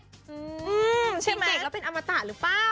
อืมชินค์เกดแล้วเป็นอมฏะหรือเปล่าอืมใช่ไหม